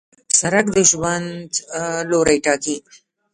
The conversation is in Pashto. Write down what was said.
سړک د ژوند لوری ټاکي.